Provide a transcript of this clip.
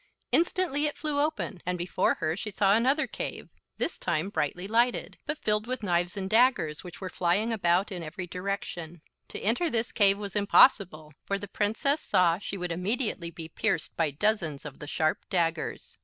Instantly it flew open, and before her she saw another cave, this time brightly lighted, but filled with knives and daggers, which were flying about in every direction. To enter this cave was impossible, for the Princess saw she would immediately be pierced by dozens of the sharp daggers.